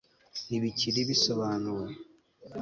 ntibikiri bisobanuwe